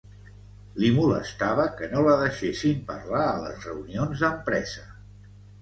Li molestava que no la deixessin parlar a les reunions d'empresa.